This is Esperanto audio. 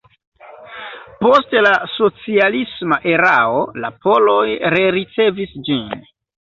Post la socialisma erao la poloj rericevis ĝin.